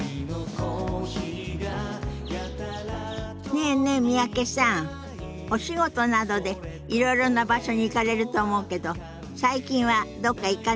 ねえねえ三宅さんお仕事などでいろいろな場所に行かれると思うけど最近はどっか行かれました？